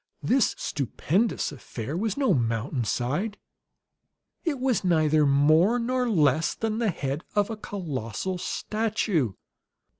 This stupendous affair was no mountainside; it was neither more nor less than the head of a colossal statue!